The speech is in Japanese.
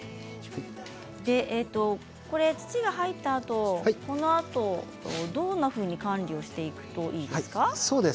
土が入ったあとこのあと、どんなふうに管理をしていくといいですか？